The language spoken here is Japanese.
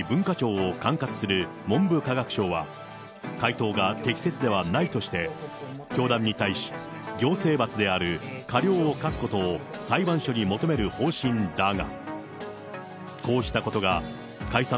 これに対し文化庁を管轄する文部科学省は、回答が適切ではないとして、教団に対し、行政罰である過料を科すことを裁判所に求める方針だが。